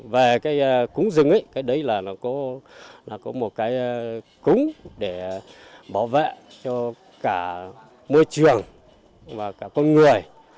về cái cúng rừng ấy cái đấy là nó có một cái cúng để bảo vệ cho cả môi trường và cả con người